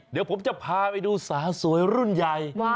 เดี๋ยวผมจะพาไปดูสาวสวยรุ่นใหญ่